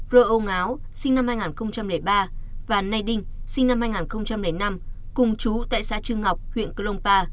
ro o ngao sinh năm hai nghìn ba và nay ding sinh năm hai nghìn năm cùng chú tại xã trương ngọc huyện grongpa